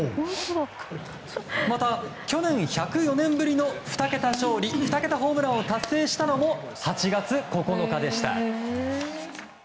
また、去年１０４年ぶりの２桁勝利２桁ホームランを達成したのも８月９日でした。